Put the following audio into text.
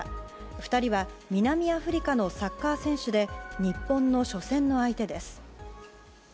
２人は南アフリカのサッカー選手で日本の初戦の相手です。